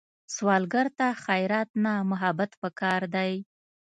سوالګر ته خیرات نه، محبت پکار دی